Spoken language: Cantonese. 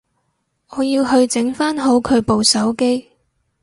我要去整返好佢部手機